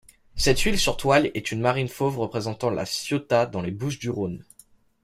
Cette huile sur toile est une marine fauve représentant La Ciotat, dans les Bouches-du-Rhône.